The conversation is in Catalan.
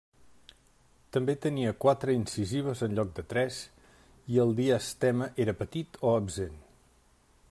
També tenia quatre incisives en lloc de tres i el diastema era petit o absent.